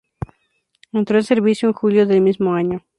Entró en servicio en julio del mismo año.